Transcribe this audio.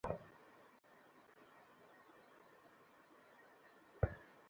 তাঁর বাড়িতে গমনের পথে লোকদের সমবেত হতে দেখলাম।